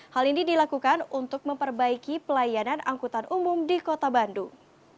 hal ini dilakukan untuk memperbaiki pelayanan angkutan umum di kota bandung